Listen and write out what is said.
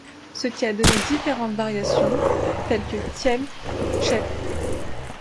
Ce qui a donné différentes variations telles que “thièbe” ou “tchèp”.